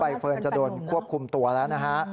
เฟิร์นจะโดนควบคุมตัวแล้วนะฮะ